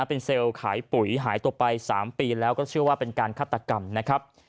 เป็นเซลล์ขายปุ๋ยหายตัวไป๓ปีแล้วก็เชื่อว่าเป็นการฆาตกรรมนะครับ